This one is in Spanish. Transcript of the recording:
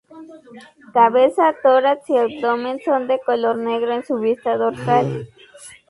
Cabeza, tórax y abdomen son de color negro en su vista dorsal.